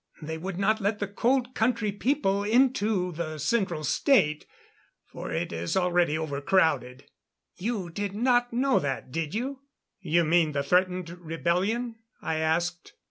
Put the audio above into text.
They would not let the Cold Country people into the Central State, for it is already overcrowded. You did not know that, did you?" "You mean the threatened rebellion?" I asked.